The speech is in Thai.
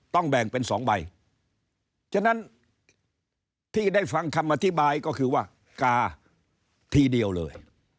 แบ่งเป็น๒ใบฉะนั้นที่ได้ฟังคำอธิบายก็คือว่ากาทีเดียวเลย